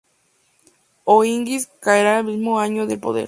O´Higgins caerá ese mismo año del poder.